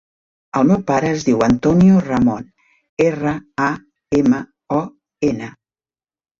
El meu pare es diu Antonio Ramon: erra, a, ema, o, ena.